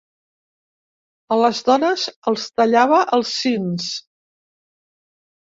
A les dones els tallava els sins.